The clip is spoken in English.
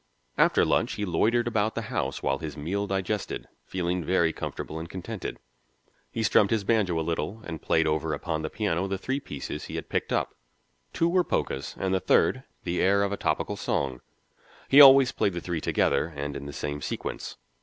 After lunch he loitered about the house while his meal digested, feeling very comfortable and contented. He strummed his banjo a little and played over upon the piano the three pieces he had picked up: two were polkas, and the third, the air of a topical song; he always played the three together and in the same sequence.